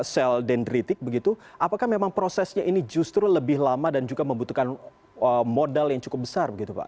sel dendritik begitu apakah memang prosesnya ini justru lebih lama dan juga membutuhkan modal yang cukup besar begitu pak